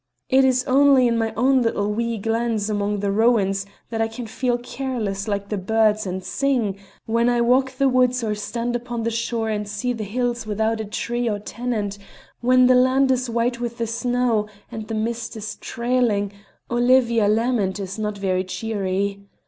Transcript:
It is only in my own little wee glens among the rowans that I can feel careless like the birds, and sing; when I walk the woods or stand upon the shore and see the hills without a tree or tenant, when the land is white with the snow and the mist is trailing, Olivia Lamond is not very cheery.